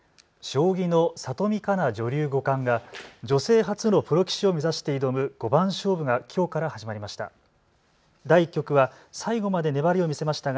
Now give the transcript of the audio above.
将棋の里見香奈女流五冠が女性初のプロ棋士を目指して挑む五番勝負がきょうから始まりました。